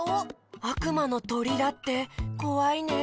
あくまのとりだってこわいねえ。